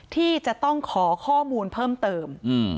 ที่จะต้องขอข้อมูลเพิ่มเติม